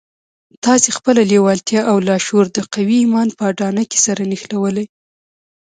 تاسې خپله لېوالتیا او لاشعور د قوي ايمان په اډانه کې سره نښلوئ.